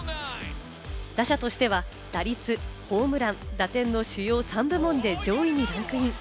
打者としては打率、ホームラン、打点の主要３部門で上位にランクイン。